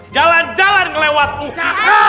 jalan jalan ngelewat uk